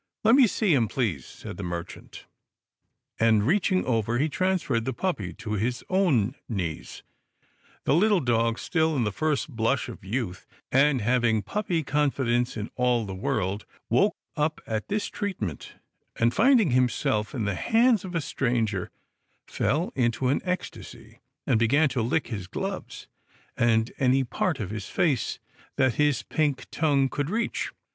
" Let me see him", please," said the merchant, and, GRAMPA'S DRIVE 139 reaching over, he transferred the puppy to his own knees. The little dog, still in the first blush of youth, and having puppy confidence in all the world, woke up at this treatment, and finding himself in the hands of a stranger, fell into an ecstacy, and began to lick his gloves, and any part of his face that his pink tongue could reach.